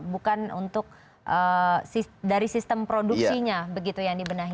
bukan untuk dari sistem produksinya begitu yang dibenahi